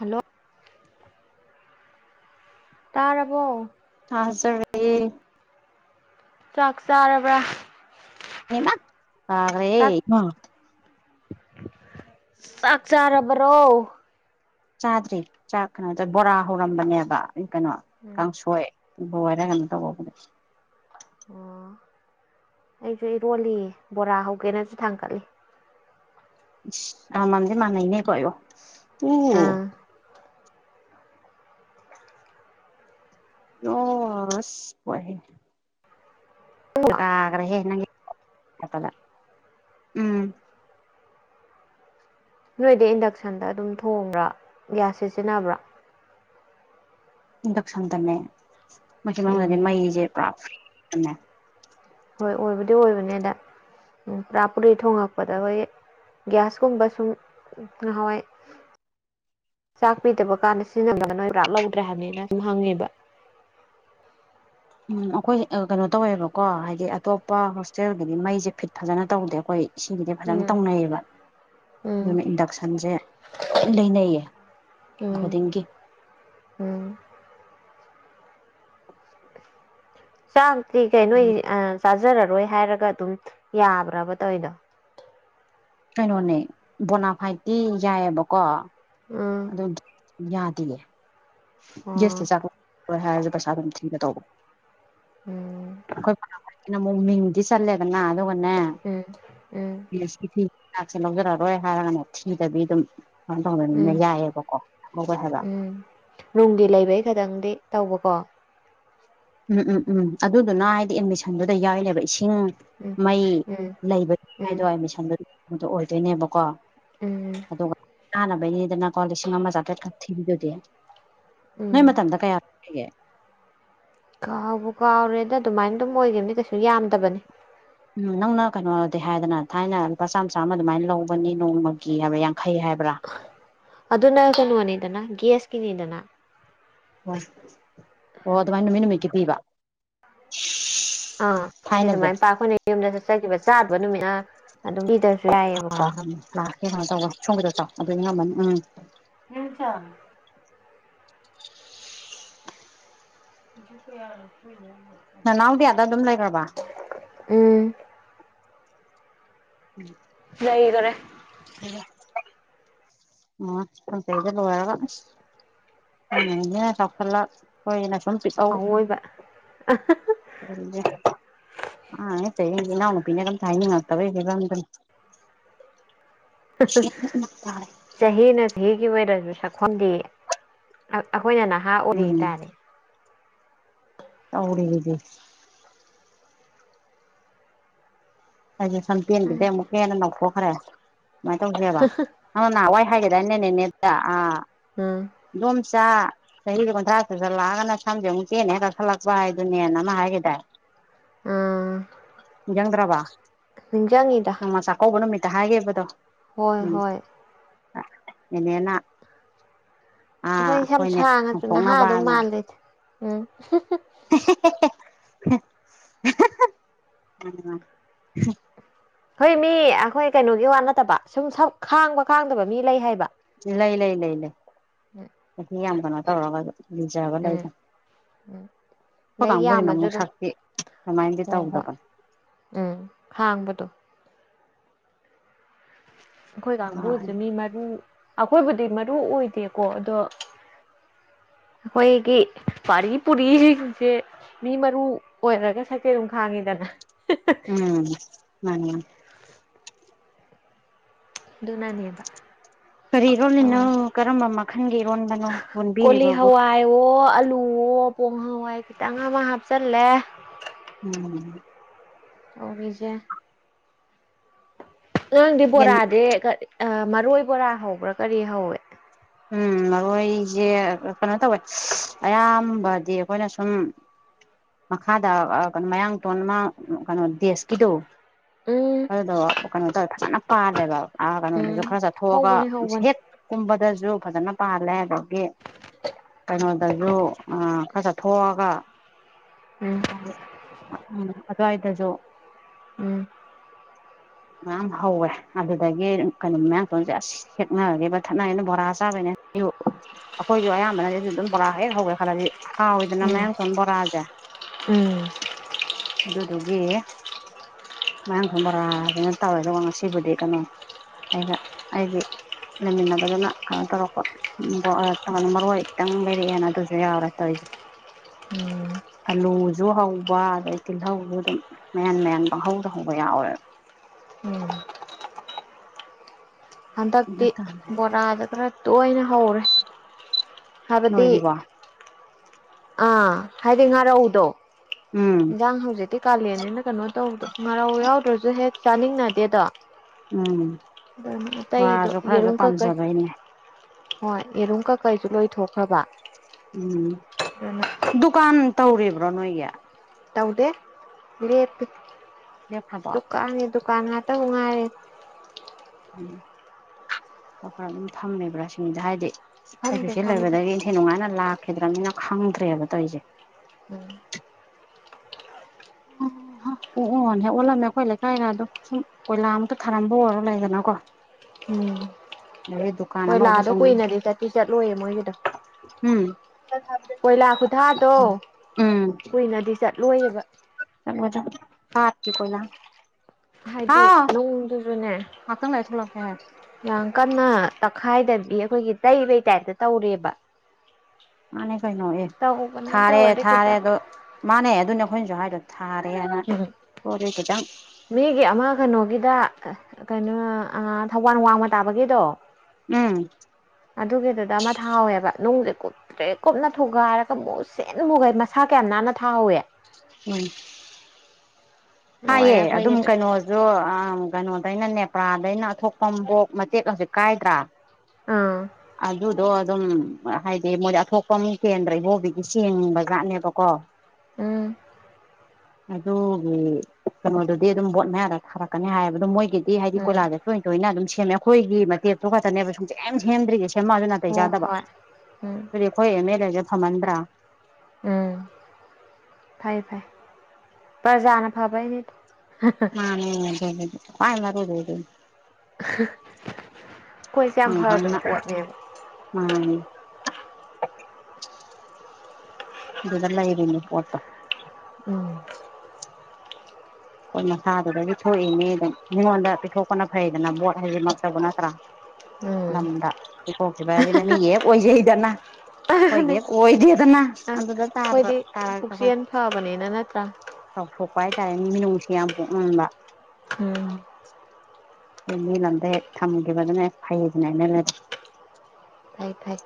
hello ꯇꯥꯔꯕꯔꯕꯣ ꯑꯦ ꯆꯥꯛ ꯆꯥꯔꯕ꯭ꯔꯥ ꯀ꯭ꯔꯦ ꯆꯥꯛ ꯆꯥꯛ ꯆꯥꯔꯕꯔꯣ ꯆꯥꯗ꯭ꯔꯤ ꯆꯥꯛ ꯀꯩꯅꯣꯗ ꯕꯣꯔꯥ ꯍꯧꯔꯝꯕꯅꯦꯕ ꯀꯩꯅꯣ ꯎꯝ ꯀꯥꯡꯁꯣꯏ ꯏꯕꯨ ꯋꯥꯔ ꯉꯅꯇ ꯍꯄꯅꯦ ꯑꯣ ꯑꯩꯁꯨ ꯏꯔꯣꯜꯂꯤ ꯕꯣꯔꯥ ꯍꯧꯒꯦꯅꯁꯨ ꯊꯥꯡꯀꯠꯂꯤ ꯑ ꯃꯥꯗ ꯃꯥꯅꯅꯦ ꯀꯣ ꯇꯨ ꯑꯥ ꯑꯣ ꯑꯁ ꯄ ꯑꯒ꯭ꯔꯍꯦꯄꯗ ꯎꯝ ꯅꯣꯏꯗꯤ ꯏꯟꯗꯛꯁꯟꯗ ꯑꯗꯨꯝ ꯊꯣꯡꯕ꯭ꯔꯥ ꯒ꯭ꯌꯥꯁ ꯁꯤꯖꯤꯟꯅꯕ꯭ꯔꯥ ꯗꯛꯁꯪꯗꯝꯃꯦ ꯃꯁꯤ ꯃꯅꯨꯡꯗꯗꯤ ꯎꯝ ꯃꯩꯁꯦ ꯄꯨꯔꯥꯃꯦ ꯍꯣꯏ ꯑꯣꯏꯕꯨꯗꯤ ꯑꯣꯏꯕꯅꯦꯗ ꯎꯝ ꯄꯨꯔꯥ ꯄꯨꯔꯤ ꯊꯣꯉꯛꯄꯗ ꯍꯣꯏ ꯒ꯭ꯌꯥꯁꯀꯨꯝꯕ ꯁꯨꯝ ꯅꯍꯥꯟꯋꯥꯏ ꯆꯥꯛꯄꯤꯗꯕ ꯀꯥꯟꯗ ꯁꯤꯖꯤꯟꯅꯕꯗ ꯅꯣꯏ ꯄꯨꯔꯥ ꯂꯧꯗ꯭ꯔꯦ ꯍꯥꯏꯕꯅꯤꯅ ꯁꯝ ꯍꯪꯉꯦꯕ ꯎꯝ ꯑꯩꯈꯣꯏ ꯀꯩꯅꯣ ꯇꯧꯋꯦꯕꯀꯣ ꯍꯥꯏꯗꯤ ꯑꯇꯣꯞꯄ ꯍꯣꯁꯇꯦꯜꯒꯤꯗꯤ ꯃꯩꯁꯦ ꯐꯤꯠ ꯐꯖꯅ ꯇꯧꯗꯦ ꯑꯩꯈꯣꯏ ꯁꯤꯒꯤꯗꯤ ꯐꯖꯅ ꯎꯝ ꯇꯧꯅꯩꯌꯦꯕ ꯎꯝ ꯑꯗꯨꯅ ꯏꯟꯗꯛꯁꯟꯁꯦ ꯂꯣꯏ ꯂꯩꯅꯩꯌꯦ ꯎꯝ ꯈꯨꯗꯤꯡꯒꯤ ꯎꯝ ꯆꯥꯡ ꯊꯀ ꯏꯅ ꯑꯗꯨꯅ ꯑ ꯆꯥꯖꯔꯔꯣꯏ ꯍꯥꯏꯔꯒ ꯑꯗꯨꯝ ꯌꯥꯕ꯭ꯔꯕ ꯇꯧꯋꯗꯣ ꯀꯩꯅꯣꯅꯦ ꯕꯣꯅꯥꯐ ꯍꯥꯏꯥꯏꯗꯤ ꯌꯥꯏꯑꯕꯀꯣ ꯎꯝ ꯑꯣ ꯌꯥꯗꯤꯌꯦꯦ ꯑꯣ ꯌꯦꯦꯁꯇ ꯆꯥꯛ ꯍꯥꯏ ꯄꯩꯁꯥ ꯑꯗꯨꯝ ꯊꯤꯒ ꯇꯧꯕ ꯎꯝ ꯑꯩꯈꯣꯏꯅ ꯑꯃꯨꯛ ꯃꯤꯡꯗꯤ ꯆꯜꯂꯦꯗꯅ ꯑꯗꯨꯒꯅꯦ ꯎꯝ ꯎꯝ [unintelligible] ꯆꯥꯛꯁꯦ ꯂꯧꯖꯔꯛꯔꯣꯏ ꯍꯥꯏꯔꯒꯅ ꯊꯤꯗꯕꯤ ꯑꯗꯨꯝ ꯇꯧꯅꯅꯤꯅ ꯎꯝ ꯌꯥꯏꯑꯕꯀꯣ ꯃꯜ ꯍꯂ ꯎꯝ ꯅꯨꯡꯒꯤ ꯂꯩꯕꯩ ꯈꯇꯪꯗꯤ ꯇꯧꯕꯀꯣ ꯎꯝ ꯎꯝ ꯎꯝ ꯑꯗꯨꯗꯨꯅ ꯍꯥꯏꯗꯤ ꯑꯦꯠꯃꯤꯁꯟꯗꯨꯗ ꯌꯥꯎꯏꯅꯦꯕ ꯏ ꯏꯁꯤꯡ ꯎꯝ ꯃꯩ ꯎꯝ ꯂꯩꯕ ꯎꯝ ꯍꯥꯏꯗꯣ ꯑꯩ ꯃꯤꯁꯟꯕꯗꯣ ꯑꯣꯏꯗꯣꯏꯅꯦꯕꯀꯣ ꯎꯝ ꯆꯥꯅꯕꯩꯅꯤꯗꯅ ꯀꯣ ꯂꯤꯁꯤꯡ ꯑꯃ ꯆꯥꯇ꯭ꯔꯦꯠꯈꯛ ꯊꯤꯔꯤꯗꯨꯗꯤ ꯎꯝ ꯅꯣꯏ ꯃꯇꯝꯗ ꯀꯌꯥ ꯌꯦ ꯀꯥꯎꯕ ꯀꯥꯎꯔꯦꯗ ꯑꯗꯨꯃꯥꯏꯅ ꯑꯗꯨꯝ ꯑꯣꯏꯈꯤꯕꯅꯤ ꯀꯩꯁꯨ ꯌꯥꯝꯗꯕꯅꯤ ꯎꯝ ꯅꯪꯅ ꯀꯩꯅꯣꯗꯤ ꯍꯥꯏꯗꯅ ꯊꯥꯏꯅ ꯂꯨꯄꯥ ꯆꯥꯝꯃ ꯆꯥꯝꯃ ꯑꯗꯨꯃꯥꯏꯅ ꯂꯧꯕꯅꯤ ꯅꯣꯡꯃꯒꯤ ꯍꯥꯏꯕ꯭ꯔꯥ ꯌꯥꯡꯈꯩ ꯍꯥꯏꯕ꯭ꯔꯥ ꯑꯗꯨꯅ ꯀꯩꯅꯋꯥꯅꯤꯗꯅꯥ ꯦꯁ ꯀꯅꯤꯗꯅꯥ ꯑꯣ ꯑꯣ ꯑꯗꯨꯃꯥꯏꯅ ꯅꯨꯃꯤꯠ ꯅꯨꯃꯤꯠꯀꯤ ꯄꯤꯕ ꯑꯥ ꯍꯥꯏꯗꯤ ꯊꯥꯏꯅꯁꯦ ꯑꯗꯨꯃꯥꯏꯅ ꯄ ꯑꯩꯈꯣꯏꯅ ꯌꯨꯝꯗ ꯆꯠꯆꯈꯤꯕ ꯆꯥꯗꯕ ꯅꯨꯃꯤꯠꯅ ꯑꯗꯨꯝ ꯄꯤꯗꯕꯁꯨ ꯌꯥꯏꯑꯕꯀꯣ ꯑꯥꯅꯤ ꯂꯥꯛꯀꯦ ꯀꯩꯅꯥꯏꯣ ꯇꯧꯋ ꯁꯣꯝꯒꯤꯗ ꯆ ꯑꯗꯨ ꯉꯝꯃꯅꯤ ꯎꯝ ꯎꯝ ꯆ ꯍꯧꯁꯨ ꯀꯌꯥꯔ ꯅꯥꯎꯗꯤ ꯑꯗ ꯑꯗꯨꯝ ꯂꯩꯈ꯭ꯔꯕ ꯎꯝ ꯎꯝ ꯂꯩꯏ ꯈꯔꯦ ꯑ ꯊ ꯀꯖ ꯂꯋꯥꯒ ꯎ ꯆꯄꯂꯣꯏꯅ ꯑꯋꯣꯏꯕ ꯑꯇ ꯌꯦ ꯄꯤꯅ ꯀꯝ ꯇꯩꯅ ꯇꯕꯒꯕꯗ ꯆꯍꯤꯅ ꯆꯍꯤꯒꯤ ꯑꯣꯏꯅꯗꯁꯨ ꯁꯛꯈꯣꯗꯤ ꯑꯩꯈꯣꯏꯅ ꯅꯍꯥ ꯎꯔꯤ ꯎꯝ ꯇꯥꯔꯦ [unintelligible] ꯑꯩꯁꯦ ꯁꯝꯇꯦꯟꯒꯤꯗ ꯑꯃꯨꯛꯀ ꯍꯦꯟꯅ ꯅꯧꯊꯣꯛꯈ꯭ꯔꯦ ꯁꯨꯃꯥꯏꯅ ꯇꯧꯁꯦꯕ ꯅꯪ ꯅꯍꯥꯟꯋꯥꯏ ꯍꯥꯏꯒꯦꯗ꯭ꯔꯥꯅꯦꯅꯦꯅꯦ ꯑ ꯎꯝ ꯏꯆꯥ ꯆꯍꯤꯁ ꯀꯨꯟꯊ꯭ꯔꯥ ꯁꯖꯜꯂꯛꯑꯒꯅ ꯁꯝꯁꯦ ꯑꯃꯨꯛ ꯆꯦꯅ ꯍꯦꯛ ꯀꯛꯊꯠꯂꯛꯄ ꯍꯥꯏꯗꯨꯅꯦꯅ ꯑꯃ ꯍꯥꯏꯒꯦꯗ ꯎꯝ ꯅꯤꯡꯖꯪꯗ꯭ꯔꯕ ꯅꯤꯡꯁꯤꯡꯉꯤꯗ ꯅꯣꯡꯃ ꯆꯥꯛꯀꯧꯕ ꯅꯨꯃꯤꯠꯇ ꯍꯥꯏꯒꯈꯤꯕꯗꯣ ꯍꯣꯏ ꯍꯣꯏ ꯏꯅꯦꯅꯥ ꯑꯩꯈꯣꯏ ꯁ ꯌꯥꯝ ꯁꯥꯡꯉꯁꯨ ꯅꯍꯥꯗꯧ ꯃꯥꯜꯂꯦ ꯎꯝ [inaudible] ꯎꯝ ꯍꯣꯏ ꯃꯤ ꯑꯩꯈꯣꯏ ꯀꯩꯅꯣꯒꯤ ꯋꯥꯠ ꯅꯠꯇꯕ ꯁꯨꯝ ꯁꯛ ꯈꯥꯡꯕ ꯈꯥꯡꯗꯕ ꯃꯤ ꯂꯩ ꯍꯥꯏꯕ ꯂꯩ ꯂꯩ ꯂꯩ ꯂꯩ ꯎꯝ ꯆꯍꯤ ꯌꯥꯝ ꯀꯩꯅꯣ ꯇꯧꯔꯒ ꯂꯤꯖꯕ ꯂꯩꯖ ꯎꯝ ꯑꯩꯈꯣꯏ ꯑꯗꯩ ꯀꯥꯡꯕꯨꯣꯏꯁꯤꯅ ꯌꯥꯝꯃꯁꯨ ꯑꯃꯨꯛ ꯑꯗꯨꯝ ꯁꯛꯇꯤ ꯑꯗꯨꯃꯥꯏꯅꯗꯤ ꯍꯣꯏ ꯍꯣꯏ ꯇꯧꯗꯕꯅꯦ ꯎꯝ ꯍꯥꯡꯕꯗꯣ ꯑꯩꯈꯣꯏ ꯀꯥꯡꯕꯨꯁ ꯃꯤ ꯃꯔꯨ ꯑꯩꯈꯣꯏꯕꯨꯗꯤ ꯃꯔꯨ ꯑꯣꯏꯗꯦꯀꯣ ꯑꯗꯣ ꯍꯣꯏꯒꯤ ꯄꯔꯤ ꯄꯨꯔꯤꯁꯦ ꯃꯤ ꯃꯔꯨ ꯑꯣꯏꯔꯒ ꯁꯀꯦꯠ ꯑꯗꯨꯝ ꯈꯥꯡꯉꯤꯗꯅ ꯎꯝ ꯎꯝ ꯑꯗꯨꯅꯅꯤꯕ ꯀꯔꯤ ꯏꯔꯣꯜꯂꯤꯅꯣ ꯀꯔꯝꯕ ꯃꯈꯜꯒꯤ ꯏꯔꯣꯟꯕꯅꯣ ꯀꯣꯂꯤ ꯂꯣꯟꯕꯤꯔꯤꯕꯕꯨ ꯍꯋꯥ ꯋꯥ ꯑꯂꯨꯣ ꯄꯣꯡ ꯍꯋꯥꯏ ꯈꯤꯇꯪ ꯑꯃ ꯍꯥꯞꯆꯤꯜꯂꯦ ꯎꯝ ꯑꯣꯕꯤꯖ ꯅꯉꯥꯡꯗꯤ ꯌꯦꯟ ꯕꯣꯔꯥꯗꯤ ꯃꯔꯣꯏ ꯕꯣꯔꯥ ꯍꯧꯕ꯭ꯔꯥ ꯀꯔꯤ ꯍꯧꯋꯦ ꯎꯝ ꯃꯔꯣꯏꯁꯦ ꯀꯩꯅꯣ ꯇꯧꯋꯦ ꯑꯌꯥꯝꯕꯗꯤ ꯑꯩꯈꯣꯏꯅ ꯁꯨꯝ ꯃꯈꯥꯗ ꯀꯩꯅꯣ ꯃꯌꯥꯡꯇꯣꯟ ꯑꯃ ꯀꯩꯅꯣ ꯗꯦꯁꯀꯤꯗꯨꯣ ꯎꯝ ꯍꯗ ꯀꯩꯅꯣ ꯇ ꯊꯅ ꯄꯥꯔꯂꯦꯕ ꯎꯝ ꯀꯩꯅꯣ ꯈꯔ ꯆꯠꯊꯣꯛꯑꯒ ꯍꯧꯕꯅꯦ ꯍꯧꯕꯅꯦ ꯍꯦꯛ ꯀꯨꯝꯕꯗꯁꯨ ꯐꯖꯅ ꯄꯥꯜꯂꯦ ꯑꯗꯒꯤ ꯀꯩꯅꯣꯗꯁꯨ ꯈꯔ ꯆꯠꯊꯣꯛꯑꯒ ꯎꯝ ꯑ ꯑꯗ ꯍꯥꯏꯗꯁꯨꯣ [unintelligible] ꯃꯌꯥꯝ ꯍꯧꯋꯦ ꯑꯗꯨꯗꯒꯤ ꯀꯩꯅꯣ ꯃꯌꯥꯝ ꯇꯣꯟꯁꯦ ꯑꯁ ꯍꯦꯛꯅꯔꯒꯦꯕ ꯊꯠꯅꯅ ꯕꯣꯔꯥꯁ ꯇꯥꯕꯅꯦ ꯑꯩꯈꯣꯏꯁꯨ ꯑꯌꯥꯝꯕꯅꯗꯤꯁꯨ ꯑꯗꯨꯝ ꯕꯣꯔꯥ ꯍꯦꯛ ꯍꯧꯒꯦ ꯈꯜꯂꯗꯤ ꯍꯥꯎꯋꯏꯗꯅ ꯎꯝ ꯃꯌꯥꯡ ꯁꯣꯟ ꯕꯣꯔꯥꯁꯦ ꯎꯝ ꯑꯗꯨꯗ ꯑꯗꯨꯒꯦ ꯃꯌꯥꯝꯁꯨ ꯕꯔꯥꯗꯅ ꯇꯧꯏꯗ ꯋꯥ ꯁꯤꯕꯨꯗꯤ ꯀꯩꯅꯣ ꯑꯩꯒ ꯑꯩꯗꯤ ꯅꯃꯤꯅꯕꯗꯅ ꯀꯩꯅꯣ ꯇꯧꯔꯛꯄꯅ ꯃꯔꯨ ꯑꯣꯏ ꯈꯤꯇꯪ ꯂꯩꯔꯛꯑꯦꯅ ꯑꯗꯨꯁꯨ ꯌꯥꯎꯔꯦ ꯇꯧꯔꯤꯁꯦ ꯎꯝ ꯑꯂꯨꯁꯨ ꯍꯧꯕ ꯑꯗꯩ ꯇꯤꯜꯍꯧ ꯑꯗꯨꯝ ꯃꯌꯥꯟ ꯃꯌꯥꯟꯍꯧꯗ ꯍꯧꯕ ꯌꯥꯎꯋꯦ ꯎꯝ ꯍꯟꯗꯛꯇꯤ ꯕꯣꯔꯥꯗ ꯈꯔ ꯇꯣꯏꯅ ꯍꯧꯔꯦ ꯍꯥꯏꯕꯗꯤ ꯅꯣꯏꯗꯤ ꯋꯥ ꯑꯥ ꯍꯥꯏꯗꯤ ꯉꯥꯔꯧꯗꯣ ꯎꯝ ꯏꯟꯖꯥꯡ ꯍꯧꯖꯤꯛꯇꯤ ꯀꯥꯂꯦꯟꯅꯦꯅ ꯀꯩꯅꯣ ꯇꯧꯗꯣ ꯃꯔꯧ ꯌꯥꯎꯗ꯭ꯔꯁꯨ ꯍꯦꯛ ꯆꯥꯅꯤꯡꯅꯗꯦꯗꯣ ꯎꯝ ꯑꯇꯩꯗꯣ ꯕꯣꯔꯥꯁꯨ ꯈꯔꯁꯨ ꯌꯦꯔꯨꯝ ꯀꯀꯩ ꯄꯥꯝꯖꯕꯩꯅꯦ ꯍꯣꯏ ꯌꯦꯔꯨꯝ ꯀꯛꯀꯩꯁꯨ ꯂꯣꯏꯊꯣꯛꯈ꯭ꯔꯕ ꯎꯝ ꯑꯗꯨꯅ ꯗꯨꯀꯥꯟ ꯇꯧꯔꯤꯕ꯭ꯔꯣ ꯅꯣꯏꯒꯤ ꯇꯧꯗꯦ ꯂꯦꯞꯄꯤ ꯂꯦꯞꯈ꯭ꯔꯕꯣ ꯗꯨꯀꯥꯟꯅꯤ ꯗꯨꯀꯥꯟ ꯉ ꯎꯝ ꯈꯔ ꯈꯔ ꯑꯗꯨꯝ ꯊꯝꯃꯦꯕ꯭ꯔꯥ ꯁꯤꯅꯤꯗ ꯍꯥꯏꯗꯤ ꯑꯩꯁꯨ ꯐꯝꯗꯦ ꯁꯤ ꯐꯝꯗꯦ ꯂꯩꯕꯗꯒꯤ ꯏꯟꯊꯤ ꯅꯨꯡꯉꯥꯏꯅ ꯂꯥꯛꯈꯤꯗ꯭ꯔꯕꯅꯤꯅ ꯈꯪꯗ꯭ꯔꯦꯕ ꯇꯧꯔꯤꯁꯦ ꯎꯝ ꯑꯣ ꯑꯣ ꯍꯦꯛ ꯑꯣꯜꯂꯝꯃꯦ ꯑꯩꯈꯣꯏ ꯂꯩꯀꯥꯏꯗ ꯑꯗꯨꯣ ꯁꯨꯝ ꯀꯣꯏꯂꯥ ꯑꯃꯨꯛꯇ ꯊꯥꯔꯝꯕ ꯑꯣꯏꯔꯣ ꯂꯩꯗꯅꯀꯣ ꯑꯗꯩ ꯗꯨꯀꯥꯟ ꯍꯣꯏ ꯑꯅꯧꯕ ꯂꯥꯗꯣ ꯁꯨꯝ ꯀꯨꯏꯅꯗꯤ ꯆꯠꯇꯤ ꯆꯠꯂꯣꯏꯌꯦ ꯃꯣꯏꯒꯤꯗ ꯎꯝ ꯀꯣꯏꯂꯥ ꯈꯨꯊꯥꯗꯣ ꯎꯝ ꯀꯨꯏꯅꯗꯤ ꯆꯠꯂꯣꯏꯌꯦꯕ ꯀꯤ ꯀꯣꯏꯅ ꯍꯥꯏꯗꯤ ꯅꯣꯡꯗꯨꯁꯨꯅꯦ ꯉꯥꯛꯇꯪ ꯂꯩꯔ ꯊꯣꯛꯂꯛꯀꯦ ꯍꯥꯏ ꯌꯥꯝ ꯀꯟꯅ ꯇ ꯈꯥꯏꯗꯕꯤ ꯑꯩꯈꯣꯏꯒꯤ ꯇꯩꯕꯩ ꯇꯥꯏꯞꯇ ꯇꯧꯔꯦꯕ ꯃꯥꯅꯦ ꯀꯩꯅꯣ ꯑꯦ ꯇꯧꯕꯅꯦ ꯊꯥꯔꯦ ꯇꯧꯔꯗꯤ ꯊꯥꯔꯦ ꯈꯤꯇꯪ ꯑꯗꯣ ꯃꯥꯅꯦ ꯑꯗꯨꯅꯦ ꯑꯩꯈꯣꯏꯅꯁꯨ ꯍꯥꯏꯗꯣ ꯊꯥꯔꯦꯅ ꯎ ꯄꯣꯠꯇꯨ ꯈꯤꯇꯪ ꯃꯤꯒꯤ ꯑꯃ ꯀꯩꯅꯣꯒꯤꯗ ꯀꯩꯅꯣ ꯊꯧꯕꯥꯜ ꯋꯥꯡꯃ ꯇꯥꯕꯒꯤꯗꯣ ꯎꯝ ꯑꯗꯨꯒꯤꯗꯨꯗ ꯑꯃ ꯊꯥꯎꯋꯦꯕ ꯅꯨꯡꯁꯦ ꯀꯨꯞꯇ꯭ꯔꯦ ꯀꯨꯞꯅ ꯊꯨꯒꯥꯏꯔꯒ ꯃꯨꯁꯤꯟ ꯃꯨꯒꯥꯏ ꯃꯁꯥ ꯀꯅꯥꯅ ꯊꯥꯍꯧꯋꯦ ꯎꯝ ꯍꯑꯦ ꯂꯣꯏꯔꯦ ꯑꯗꯨꯝ ꯑꯩꯈꯣꯏꯒꯤꯗꯤ ꯀꯩꯅꯣꯁꯨ ꯑ ꯀꯩꯅꯣ ꯑꯩꯅ ꯅꯦꯄ꯭ꯔꯥꯗꯩꯅ ꯑꯊꯣꯛꯄꯕꯣꯛ ꯃꯇꯦꯛ ꯍꯧꯖꯤꯛ ꯀꯥꯏꯗ꯭ꯔꯥ ꯑꯥ ꯑꯗꯨꯗꯣ ꯑꯗꯨꯝ ꯍꯥꯏꯗꯤ ꯃꯣꯏꯗꯤ ꯑꯊꯣꯄ ꯀꯦꯟꯗ꯭ꯔ ꯏꯕꯣꯕꯤꯒꯤ ꯆꯦꯡꯕ ꯠꯅꯦꯕꯀꯣ ꯎꯝ ꯑꯗꯨꯒꯤ ꯀꯩꯅꯣꯗꯨꯗꯤ ꯑꯗꯨꯝ ꯕꯣꯠ ꯃꯌꯥꯗ ꯊꯥꯔꯛꯀꯅꯤ ꯍꯥꯏꯕꯗ ꯃꯣꯏꯒꯤ ꯍꯥꯏꯗꯤ ꯎꯝ ꯀꯣꯏꯂꯥꯁꯗ ꯇꯣꯏ ꯇꯣꯏꯅ ꯑꯗꯨꯝ ꯁꯦꯝꯃꯦ ꯑꯩꯈꯣꯏꯒꯤ ꯃꯇꯦꯞꯛꯇꯣ ꯈꯛꯇꯅꯦꯕ ꯁꯨꯡꯁꯦ ꯑꯦꯝ ꯁꯦꯝꯗ꯭ꯒꯁꯦ ꯁꯦꯝꯃꯁꯨ ꯅꯥꯇꯩ ꯍꯣꯏ ꯆꯥꯗꯕ ꯍꯣꯏ ꯎꯝ ꯑꯗꯨꯗꯤ ꯑꯩꯈꯣꯏ ꯑꯦꯝ ꯑꯦꯜ ꯑꯦꯗꯦ ꯐꯝꯃꯟꯗ꯭ꯔꯥ ꯎꯝ ꯐꯩ ꯐꯩ ꯔꯖꯥꯅ ꯐꯕꯅꯦ ꯅ ꯃꯖ ꯀ ꯃꯔꯔꯗꯗꯤ ꯑꯩꯈꯣꯏꯁꯦ ꯌꯥꯝ ꯑꯅ ꯐꯈ꯭ꯔ ꯄꯣꯠꯅꯦꯕ ꯑ ꯑꯗꯨꯗꯂ ꯏꯗꯅꯦ ꯐꯣꯇ ꯎꯝ ꯍꯣꯏ ꯃꯁꯥꯗꯨꯗꯒꯤ ꯊꯣꯛꯏꯅꯦ ꯑꯗꯨ ꯃꯤꯉꯣꯟꯗ ꯄꯤꯊꯣꯛꯄꯅ ꯐꯩꯗꯅ ꯕꯣꯠ ꯍꯥꯏꯗꯤꯃꯛꯇꯕ ꯅꯠꯇ꯭ꯔꯥ ꯎꯝ ꯂꯝꯗ ꯀꯣꯛꯈꯤꯕ ꯑꯗꯨꯅ ꯃꯤ ꯍꯦꯛ ꯑꯣꯏꯖꯩꯗꯅ ꯑꯗꯨꯅꯤ ꯍꯣꯏꯒꯦ ꯍꯣꯏꯗꯤꯗꯅ ꯑꯗꯨꯗ ꯇꯥꯗꯕ ꯑꯩꯈꯣꯏꯗꯤ ꯇꯥꯔ ꯍꯣꯏ ꯄꯨꯛꯆꯦꯜ ꯐꯕꯅꯤꯅ ꯅꯠꯇ꯭ꯔꯥ ꯆꯥꯎꯊꯣꯛꯄ ꯍꯥꯏꯇꯥꯔꯦ ꯌꯥꯝ ꯄꯗ ꯎꯝ ꯃꯤ ꯂꯝꯗ ꯍꯦꯛ ꯊꯝꯈꯤꯕꯗꯨꯅꯦ ꯐꯩꯗꯅꯦꯅꯦ ꯂꯩ ꯐꯩ ꯐꯩ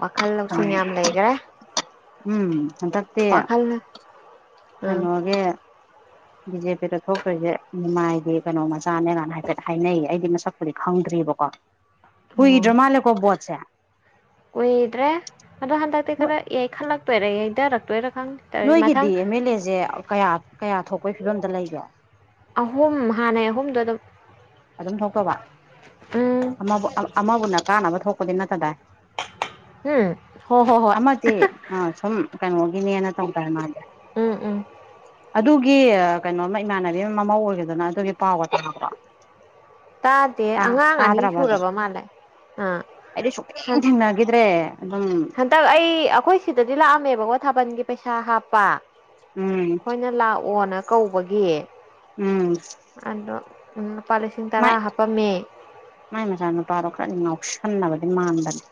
ꯋꯥꯈꯜ ꯂꯧꯁꯤꯡ ꯌꯥꯝ ꯂꯩꯈ꯭ꯔꯦ ꯎꯝ ꯋꯥꯈꯜꯅ ꯀꯩꯅꯣꯒꯦ ꯑꯣ ꯕꯤ ꯖꯦ ꯄꯤꯗ ꯊꯣꯛꯇ꯭ꯔꯤꯁꯦ ꯃꯤꯃꯥꯏꯗꯤ ꯀꯩꯅꯣ ꯃꯆꯥꯅꯦ ꯀꯥꯏꯅ ꯍꯥꯏꯐꯦꯠ ꯍꯥꯏꯅꯩꯌꯦ ꯑꯩꯗꯤ ꯃꯁꯛꯄꯨꯗꯤ ꯈꯪꯗ꯭ꯔꯤꯕꯣ ꯀꯨꯢꯗ꯭ꯔꯥ ꯑꯣ ꯃꯥꯜꯂꯦꯀꯣ ꯕꯣꯠꯁꯦ ꯀꯨꯏꯗ꯭ꯔꯦ ꯑꯗꯣ ꯍꯟꯗꯛꯇꯤ ꯈꯔ ꯈꯜꯂꯛꯇꯣꯏꯔꯦ ꯌꯩꯊꯔꯛꯇꯣꯏꯔ ꯅꯣꯏꯒꯤꯗꯤ ꯑꯦꯝ ꯑꯦꯜ ꯑꯦꯁꯦ ꯀꯌꯥ ꯀꯌꯥ ꯊꯣꯛꯄꯒꯤ ꯐꯤꯕꯝꯗ ꯂꯩꯒꯦ ꯑꯍꯨꯝ ꯍꯥꯟꯅꯩ ꯑꯍꯨꯝꯗꯣ ꯑꯗꯨꯝ ꯑꯗꯨꯝ ꯊꯣꯛꯇꯕ ꯎꯝ ꯑꯃꯕꯨ ꯑꯃꯕꯨꯅ ꯀꯥꯟꯅꯕ ꯊꯣꯛꯄꯗꯤ ꯅꯠꯇꯗꯏ ꯎꯝ ꯍꯣ ꯍꯣ ꯍꯣꯏ ꯑꯃ ꯇꯦ ꯑ ꯁꯣꯨꯝ ꯀꯩꯅꯣꯒꯤꯅꯦꯅ ꯇꯧꯗ ꯃꯥꯁꯦ ꯎꯝ ꯎꯝ ꯑꯗꯨꯒꯤ ꯀꯩꯅꯣꯃ ꯏꯃꯥꯟꯅꯕꯤ ꯑꯃ ꯃꯃꯧ ꯑꯣꯏꯒꯗꯅ ꯑꯗꯨꯒꯤ ꯄꯥꯎꯒ ꯇꯥꯕ꯭ꯔꯣ ꯇꯥꯗꯦ ꯑꯉꯥꯡ ꯑꯅꯤ ꯁꯨꯔꯕ ꯃꯥꯜꯂꯦ ꯑꯥ ꯑꯗꯤ ꯁ ꯍꯟ ꯆꯟꯅꯒꯗ꯭ꯔꯦ ꯍꯟꯗꯛ ꯑꯩ ꯑꯩꯈꯣꯏ ꯁꯤꯗꯗꯤ ꯂꯥꯛꯑꯝꯃꯦꯕꯀꯣ ꯊꯥꯕꯜꯒꯤ ꯄꯩꯁꯥ ꯍꯥꯞꯄ ꯎꯝ ꯑꯩꯣꯏꯅ ꯂꯥꯛꯑꯣꯅ ꯀꯧꯕꯒꯤ ꯎꯝ ꯑꯗꯣ ꯎꯝ ꯂꯨꯄꯥ ꯂꯤꯁꯤꯡ ꯇꯔꯥ ꯃꯥꯏ ꯍꯥꯞꯄꯝꯃꯦ ꯃꯥꯏ ꯃ ꯆꯥꯟꯅ ꯄꯔꯣ ꯅꯤꯡ ꯉꯥꯎ ꯁꯟꯅꯕꯗꯤ ꯃꯥꯟꯕꯅꯦ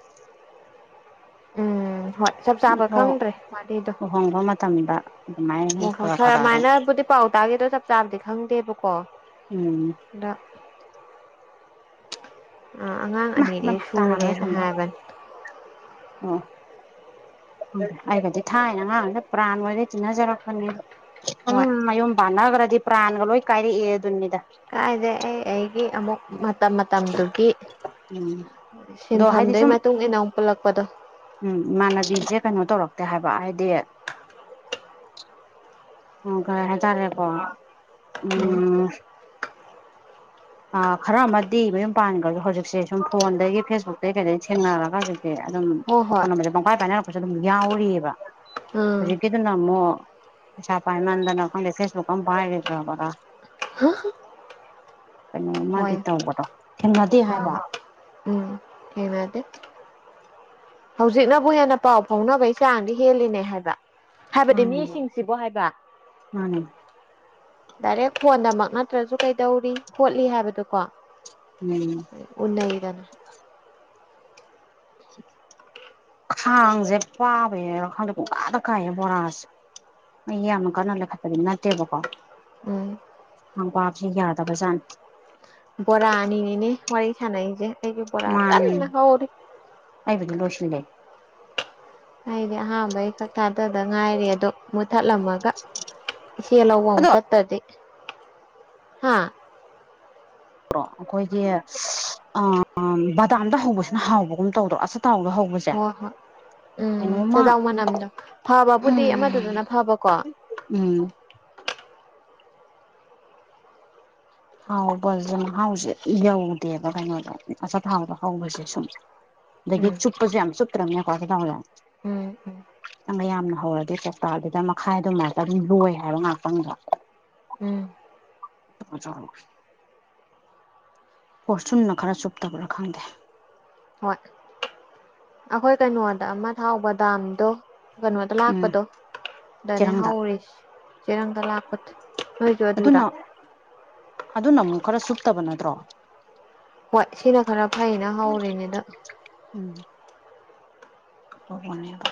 ꯎꯝ ꯍꯣꯏ ꯆꯞ ꯆꯥꯕ ꯈꯪꯗ꯭ꯔꯦ ꯃꯥꯅꯤꯗꯣ ꯂꯨꯍꯣꯡꯕ ꯃꯇꯝꯗ ꯑꯗꯨꯃꯥꯏꯅ ꯍꯣꯏ ꯍꯣꯏ ꯈꯔ ꯈꯔ ꯑꯗꯨꯝ ꯈꯔꯃꯥꯏꯅꯕꯨꯗꯤ ꯄꯥꯎ ꯇꯥꯒꯦꯗꯣ ꯆꯞ ꯆꯥꯕꯗꯤ ꯈꯪꯗꯦꯕꯀꯣ ꯎꯝ ꯑꯗ ꯑ ꯑꯉꯥꯡ ꯃꯥ ꯑꯅꯤꯗꯤ ꯃꯃꯥ ꯁꯨꯔꯦꯅ ꯍꯥꯏꯕꯅꯦ ꯑ ꯑꯩꯒꯗꯤ ꯊꯥꯏꯅ ꯑꯉꯥꯡꯅ ꯄ꯭ꯔꯥꯟ ꯑꯣꯏꯗꯩ ꯇꯤꯟꯅꯖꯔꯛꯄꯅꯦ ꯎꯝ ꯍꯣꯏ ꯃꯌꯨꯝ ꯥꯟꯅꯈ꯭ꯔꯗꯤ ꯄ꯭ꯔꯥꯟꯒ ꯂꯣꯏ ꯀꯥꯏꯔꯑꯗꯨꯅꯤꯗ ꯀꯥꯏꯅꯦꯦ ꯑꯦ ꯑꯩꯒꯤ ꯑꯃꯨꯛ ꯃꯇꯝ ꯃꯇꯝꯗꯨꯒꯤ ꯎꯝ ꯑꯗꯣ ꯍꯥꯏꯗꯤ ꯁꯤꯟꯐꯝꯗꯨꯒꯤ ꯁꯨꯝ ꯃꯇꯨꯡ ꯏꯟꯅ ꯑꯃꯨꯛ ꯄꯨꯜꯂꯛꯄꯗꯣ ꯎꯝ ꯏꯃꯥꯟꯅꯕꯤꯁꯦ ꯀꯩꯅꯣ ꯇꯧꯔꯛꯇꯦ ꯍꯥꯏꯕ ꯍꯥꯏꯗꯤ ꯑꯣ ꯀꯔ ꯍꯥꯏꯇꯥꯔꯦꯀꯣ ꯎꯝ ꯑ ꯈꯔ ꯑꯃꯗꯤ ꯃꯌꯨꯝ ꯄꯥꯟꯈ꯭ꯔꯁꯨ ꯍꯧꯖꯤꯛꯁꯦ ꯁꯨꯝ ꯐꯣꯟꯗꯒꯤ ꯐꯦꯁꯕꯨꯛꯇꯒꯤ ꯀꯩꯗ ꯊꯦꯡꯅꯔꯒ ꯍꯧꯖꯤꯛ ꯑꯗꯨꯝ ꯍꯣꯏ ꯍꯣꯏ ꯀꯣꯟꯝꯕꯁꯦ ꯄꯨꯡꯀꯥꯏ ꯄꯥꯏꯅꯔꯛꯄꯁꯨ ꯑꯗꯨꯝ ꯌꯥꯎꯔꯤꯑꯕ ꯎꯝ ꯍꯧꯖꯤꯒꯤꯗ ꯅꯃꯣ ꯆꯄꯥꯏꯃꯗꯅ ꯀ ꯐꯦꯁꯕꯨ ꯀ ꯄꯗ꯭ꯔꯕꯔ [inaudible] ꯀꯩꯅꯣꯃ ꯍꯣꯏ ꯇꯧꯕꯗꯣ ꯊꯦꯡꯅꯗꯦ ꯎꯝ ꯍꯥꯏꯕ ꯎꯝ ꯊꯦꯡꯅꯗꯦ ꯍꯧꯖꯤꯛꯅꯕꯨ ꯍꯦꯟꯅ ꯄꯥꯎ ꯐꯥꯎꯅꯕꯒꯤ ꯆꯥꯡꯗꯤ ꯍꯦꯜꯂꯤꯅꯦ ꯍꯥꯏꯕ ꯍꯥꯏꯕꯗꯤ ꯃꯥꯅꯦ ꯃꯤꯁꯤꯡꯁꯤꯕꯨ ꯍꯥꯏꯕ ꯃꯥꯅꯦ ꯗꯥꯏꯔꯦꯛ ꯐꯣꯟꯗꯃꯛ ꯅꯠꯇ꯭ꯔꯁꯨ ꯀꯩꯗꯧꯔꯤ ꯈꯣꯠꯂꯤ ꯍꯥꯏꯕꯗꯨꯀꯣ ꯎꯝ ꯎꯅꯏꯗꯅ [inaudible] ꯈꯥꯡꯁꯦ ꯄꯥꯕ ꯌꯥꯔ ꯈꯥꯡꯗꯦ ꯀꯨꯡꯀꯥꯗ ꯀꯥꯏꯌꯦ ꯕꯣꯔꯥꯁꯦ ꯃꯃ ꯀꯥꯟꯅꯂ ꯀꯠꯇꯗꯅꯠꯇꯦꯕꯀꯣ ꯎꯝ ꯍ ꯄꯞꯁꯤ ꯌꯥꯗꯕ ꯆꯥꯟ ꯕꯣꯔꯥ ꯑꯅꯤꯅꯦ ꯋꯥꯔꯤ ꯁꯥꯟꯅꯩꯁꯦ ꯑꯩꯁꯦ ꯕꯣꯔꯥ ꯀꯟꯅ ꯍꯧꯔꯤ ꯂꯣꯁꯅꯦꯦ ꯑꯩꯗꯤ ꯑꯍꯥꯝꯕꯩ ꯈꯛ ꯊꯥꯗꯗ ꯉꯥꯏꯔꯦ ꯑꯗꯣ ꯃꯨꯠꯊꯠꯂꯝꯃꯒ ꯏꯆꯦ ꯂꯧꯕ ꯆꯠꯇꯗꯤꯦ ꯍꯥꯥ ꯭ꯔꯣ ꯑꯩꯈꯣꯏꯒꯤ ꯕꯗꯥꯝꯗ ꯍꯧꯕꯁꯤꯅ ꯍꯥꯎꯕꯒꯨꯝ ꯇꯧꯗ꯭ꯔꯣ ꯑ ꯇꯥꯎꯗ ꯍꯧꯕꯁꯦ ꯍꯣꯏ ꯍꯣꯏ ꯎꯝ ꯀꯩꯅꯣꯝꯃ ꯆꯗꯥꯥꯎ ꯃꯅꯝꯗꯣ ꯐꯕꯕꯨꯗꯤ ꯎꯝ ꯑꯃꯗꯨꯗꯅ ꯐꯕꯀꯣ ꯎꯝ ꯍꯥꯎꯕ ꯍꯥꯎꯁꯦ ꯌꯧꯗꯦꯕ ꯀꯩꯅꯣꯗ ꯑꯆꯥꯊꯥꯎꯗ ꯍꯧꯕꯁꯦ ꯁꯨꯝ ꯑꯗꯒꯤ ꯎꯝ ꯆꯨꯞꯄꯁꯨ ꯌꯥꯝ ꯆꯨꯞꯇ꯭ꯔꯕꯅꯦꯀꯣꯀꯥꯎꯂ ꯈꯤꯇꯪꯒ ꯎꯝ ꯎꯝ ꯌꯥꯝꯅ ꯍꯧꯔꯒꯦ ꯀꯣꯛꯇꯥꯛꯗꯨꯗ ꯃꯈꯥꯏ ꯑꯗꯨꯝꯃꯥꯏꯛꯇ ꯑꯗꯨꯝ ꯂꯣꯏ ꯍꯥꯏꯕ ꯉꯥꯛꯇꯪꯗꯣ ꯎꯝ ꯆꯂ ꯄꯣꯔꯁꯟꯅ ꯈꯔ ꯆꯨꯞꯇꯕꯔꯥ ꯈꯪꯗꯦ ꯍꯣꯏ ꯑꯩꯈꯣꯏ ꯀꯩꯅꯣꯗ ꯑꯃ ꯊꯥꯎꯧꯕ ꯗꯥꯝꯗꯣ ꯀꯩꯅꯣꯗ ꯎꯝ ꯂꯥꯛꯄꯗꯣ ꯗꯅꯦ ꯍꯥꯎ ꯆꯦꯔꯪꯗ ꯎꯔꯤꯁꯤ ꯆꯦꯔꯪ ꯀ ꯂꯥꯄꯠ ꯂꯣꯏꯖ ꯔ ꯑꯗꯨꯅ ꯑꯗꯨꯅ ꯑꯃꯨꯛ ꯈꯔ ꯁꯨꯞꯇꯕ ꯅꯠꯇ꯭ꯔꯣ ꯍꯣꯏ ꯁꯤꯅ ꯈꯔ ꯐꯩꯅ ꯍꯧꯔꯤꯅꯤꯗ ꯎꯝ ꯑ ꯐꯅꯦꯦꯗ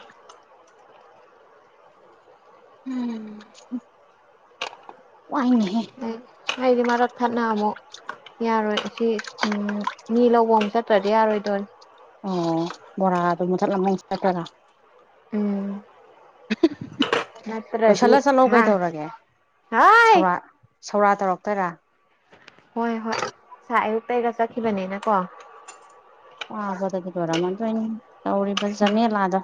ꯎꯝ ꯋꯥꯏꯅꯦꯍꯦ ꯍꯥꯏꯗꯤ ꯃꯔꯛ ꯊꯠꯅ ꯑꯃꯨ ꯌꯥꯔꯣꯏ ꯁꯤ ꯎꯝ ꯃꯤ ꯂꯧꯕ ꯑꯃ ꯆꯠꯇ꯭ꯔꯗꯤ ꯌꯥꯔꯣꯏꯗꯣꯏꯅꯦ ꯑꯣ ꯕꯣꯔꯥ ꯑꯗꯨ ꯃ ꯆꯠꯂꯝꯉꯥꯏ ꯆꯠꯄꯔꯥ ꯎꯝ ꯅꯠꯇ꯭ꯔꯗꯤ ꯂꯣꯏꯁꯤꯜꯂ ꯆꯠꯂꯣ ꯍꯥ ꯀꯩꯗꯧꯔꯒꯦ ꯍꯥꯏ ꯁꯧꯔꯥꯛ ꯁꯧꯔꯥ ꯇꯧꯔꯛꯇꯔꯥ ꯍꯣꯏ ꯍꯣꯏ ꯑꯌꯨꯛꯛꯇ ꯑꯩꯒ ꯆꯠꯈꯤꯕꯅꯤꯅ ꯀꯣ ꯑꯥꯕꯗꯗꯤ ꯂꯣꯏꯔꯝꯃꯟꯗ ꯑꯩꯅ ꯇꯧꯔꯤꯕ ꯎꯝ ꯖꯃꯦꯂꯥꯗꯣ